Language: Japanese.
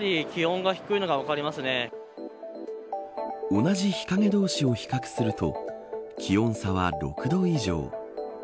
同じ日陰同士を比較すると気温差は６度以上。